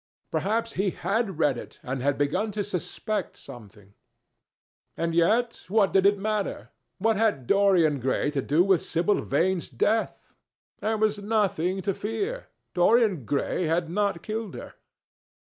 Perhaps he had read it and had begun to suspect something. And, yet, what did it matter? What had Dorian Gray to do with Sibyl Vane's death? There was nothing to fear. Dorian Gray had not killed her.